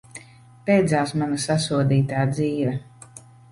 Beidzās mana sasodītā dzīve!